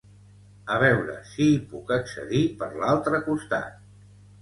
A veure si hi puc accedir per l'altre costat